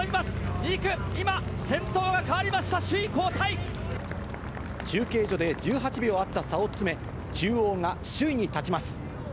２区、今、先頭が変わりました、中継所で１８秒あった差を詰め、中央が首位に立ちます。